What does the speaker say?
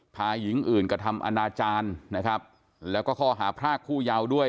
พาหญิงอื่นกระทำอนาจารย์นะครับแล้วก็ข้อหาพรากผู้เยาว์ด้วย